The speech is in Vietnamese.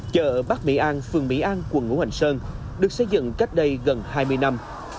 chợ bắc mỹ an phường mỹ an quận ngũ hành sơn được xây dựng cách đây gần hai mươi năm